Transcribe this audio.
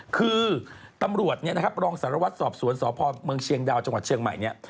คือตำรวจลองศาลวัฏษศอบสวนศ็อพอเมืองเฉียงดาวจังหวัดเฉียงใหม่